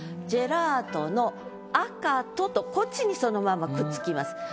「ジェラートの赤と」とこっちにそのまんまくっつきます。